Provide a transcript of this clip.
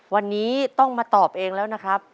วันนี้ต้องมาตอบเองแล้วนะครับ